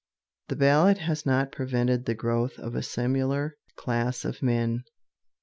The ballot has not prevented the growth of a similar class of men.